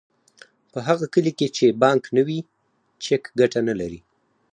په هغه کلي کې چې بانک نه وي چک ګټه نلري